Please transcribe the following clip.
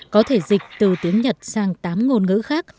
có thể dịch từ tiếng nhật sang tám ngôn ngữ khác